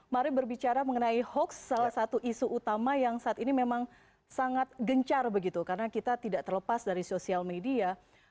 mari berbicara mengenai hoax salah satu isu utama yang saat ini memang sangat gencar begitu karena kita tidak terlepas dari sosial media